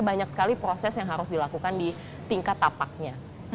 banyak sekali proses yang harus dilakukan di tingkat tapaknya